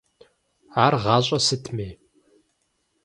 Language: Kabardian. Ар гъащӀэ сытми?